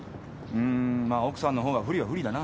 うーんまあ奥さんのほうが不利は不利だな。